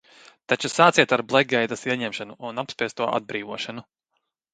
Taču sāciet ar Blekgeitas ieņemšanu un apspiesto atbrīvošanu!